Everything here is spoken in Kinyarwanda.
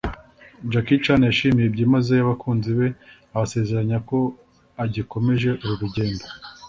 Jackie Chan yashimiye byimazeyo abakunzi be abasezeranya ko agikomeje uru rugendo